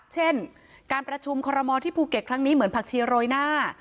เช่นการประชุมคอรมอลที่ภูเก็ตครั้งนี้เหมือนผักชีโรยหน้า